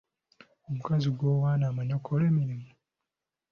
Omukazi gw'owaana amanyi okukola emirimu?